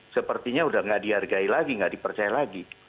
sepertinya udah nggak dihargai lagi nggak dipercaya lagi